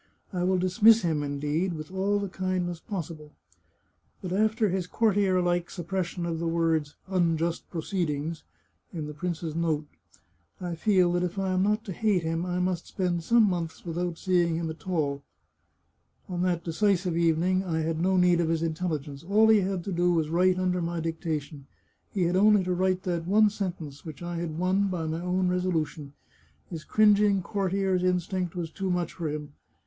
I will dismiss him, indeed, with all the kindness possible. But after his courtier like sup pression of the words ' unjust proceedings ' in the prince's note, I feel that if I am not to hate him I must spend some months without seeing him at all. On that decisive evening I had no need of his intelligence; all he had to do was to write under my dictation. He had only to write that one sentence, which I had won by my own resolution. His cringing courtier's instinct was too much for him.